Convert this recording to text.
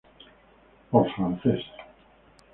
Por Frances.